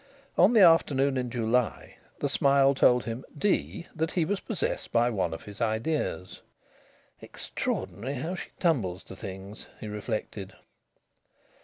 On the afternoon in July the smile told him (d) that he was possessed by one of his ideas. "Extraordinary how she tumbles to things!" he reflected.